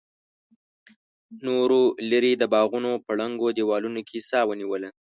نورو ليرې د باغونو په ړنګو دېوالونو کې سا ونيوله.